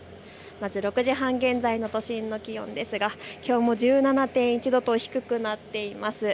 ６時半現在の都心の気温ですがきょうも１７．１度と低くなっています。